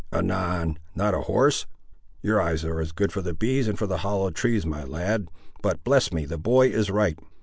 "Anan! Not a horse? Your eyes are good for the bees and for the hollow trees, my lad, but—bless me, the boy is right!